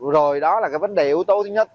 rồi đó là cái vấn đề yếu tố thứ nhất